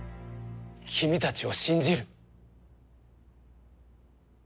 君たちを信じる。